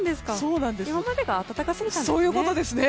今までが暖かすぎたんですね。